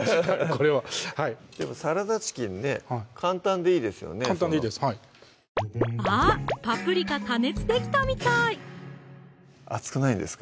これはでもサラダチキンね簡単でいいですよね簡単でいいですはいあっパプリカ加熱できたみたい熱くないんですか？